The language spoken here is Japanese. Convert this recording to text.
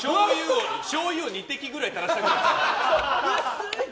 しょうゆを２滴ぐらい垂らした神木君。